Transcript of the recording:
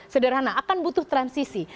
sederhana akan butuh transisi